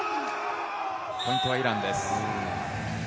ポイントはイランです。